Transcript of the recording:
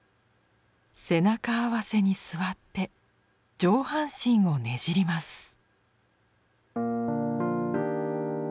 背中合わせに座って上半身をねじります。